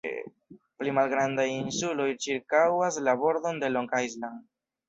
Pli malgrandaj insuloj ĉirkaŭas la bordon de Long Island.